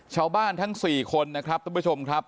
ชาวบ้านทั้งสี่คนนะครับท่านผู้ชมครับ